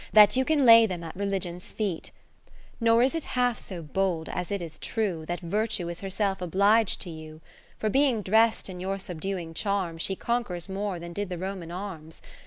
That you can lay them at Religion's feet. 60 Nor is it half so bold as it is true, That Virtue is herself oblig'd to you : For being drest in your subduing charms. She conquers more than did the Roman arms.